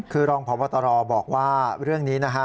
คือรองพบตรบอกว่าเรื่องนี้นะฮะ